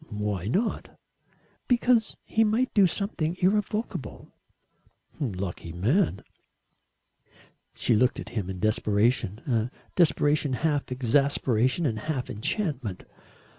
"Why not?" "Because he might do something irrevocable." "Lucky man." She looked at him in desperation a desperation half exasperation and half enchantment.